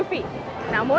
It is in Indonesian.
di bawah temaram lampu uv